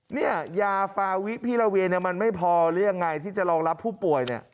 เนี่ยยาฟาวิพิลาเวียเนี่ยมันไม่พอหรือยังไงที่จะรองรับผู้ป่วยเนี่ย